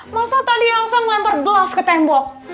masa tadi elsa melempar gelas ke tembok